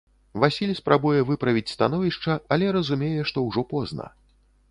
Васіль спрабуе выправіць становішча, але разумее, што ўжо позна.